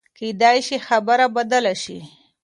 کېدای شي خبره بدله شي.